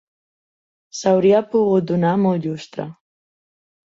S'hauria pogut donar molt llustre